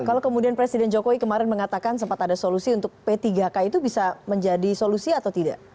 kalau kemudian presiden jokowi kemarin mengatakan sempat ada solusi untuk p tiga k itu bisa menjadi solusi atau tidak